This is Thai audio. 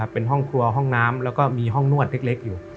เป็นห้องครัวห้องน้ำแล้วก็มีห้องนวดเล็กอยู่